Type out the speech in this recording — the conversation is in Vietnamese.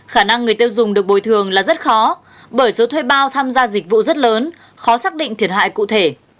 khả năng người tiêu dùng được bồi thường là rất khó bởi số thuê bao tham gia dịch vụ rất lớn khó xác định thiệt hại cụ thể